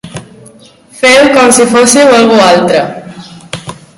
Feu com si fóssiu algú altre.